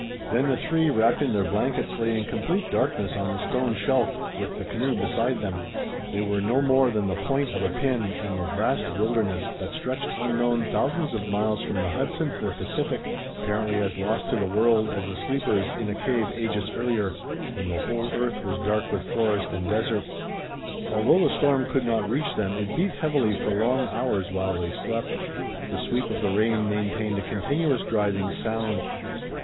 Then the three, wrapped in their blankets, lay in complete darkness on the stone shelf, with the canoe beside them. They were no more than the point of a pin in the vast wilderness that stretched unknown thousands of miles from the Hudson to the Pacific, apparently as lost to the world as the sleepers in a cave ages earlier, when the whole earth was dark with forest and desert. Although the storm could not reach them it beat heavily for long hours while they slept. The sweep of the rain maintained a continuous driving sound.